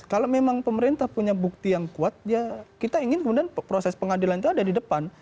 kalau memang pemerintah punya bukti yang kuat ya kita ingin kemudian proses pengadilan itu ada di depan